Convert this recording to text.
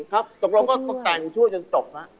ครับสกรมก็ต่างหยุดช่วยจนจบละ